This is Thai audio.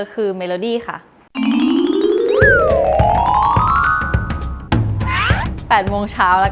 ขอบรรยากษารำ